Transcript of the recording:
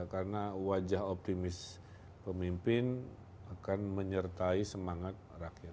karena wajah optimis pemimpin akan menyertai semangat rakyat